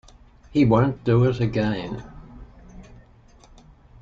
He won't do it again.